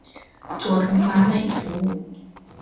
佐藤麻美服务。